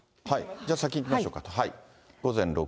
じゃあ先行きましょうか。